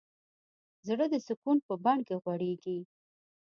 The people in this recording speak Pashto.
زړه د سکون په بڼ کې غوړېږي.